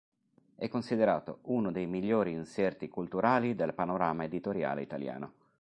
È considerato uno dei migliori inserti culturali del panorama editoriale italiano.